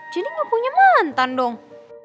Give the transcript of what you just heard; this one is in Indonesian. jadi gak punya mantan dong